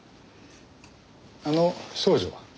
あの少女は？